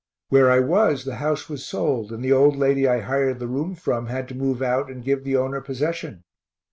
Where I was, the house was sold and the old lady I hired the room from had to move out and give the owner possession.